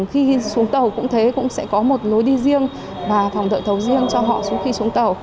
hầu cũng thế cũng sẽ có một lối đi riêng và phòng đợi tàu riêng cho họ suốt khi xuống tàu